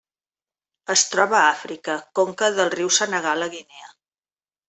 Es troba a Àfrica: conca del riu Senegal a Guinea.